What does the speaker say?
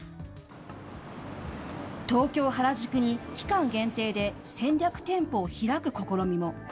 東京・原宿に期間限定で戦略店舗を開く試みも。